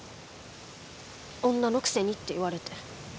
女のくせにって言われて。